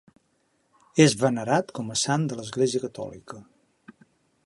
És venerat com a sant de l'església catòlica.